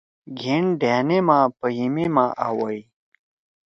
گھین ڈھأنے ما، پہیِمے ما آ ویی